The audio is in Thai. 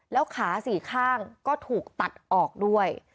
แล้วขาสี่ข้างก็ถูกตัดออกด้วย